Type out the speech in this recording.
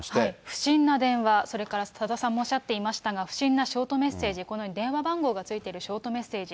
不審な電話、それから多田さんもおっしゃってましたが、不審なショートメッセージ、このように電話番号がついているショートメッセージ。